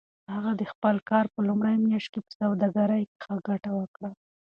هغه د خپل کار په لومړۍ میاشت کې په سوداګرۍ کې ښه ګټه وکړه.